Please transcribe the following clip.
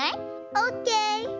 オッケー。